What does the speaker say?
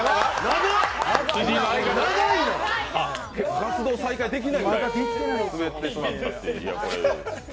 活動再開できないんだ。